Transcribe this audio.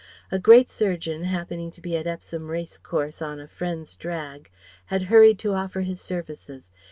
A great surgeon happening to be at Epsom Race course on a friend's drag, had hurried to offer his services.